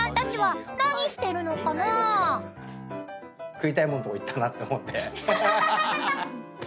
食いたいもんとこ行ったなって思って。